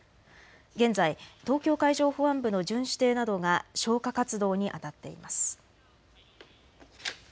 現在、東京海上保安部の巡視艇などが消火活動にあたっています。